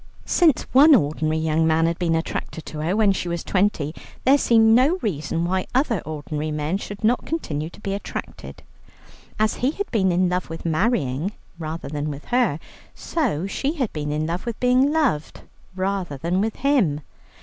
Since one ordinary young man had been attracted to her when she was twenty, there seemed no reason why other ordinary men should not continue to be attracted. As he had been in love with marrying rather than with her, so she had been in love with being loved rather than with him.